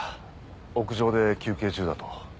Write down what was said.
屋上で休憩中だと。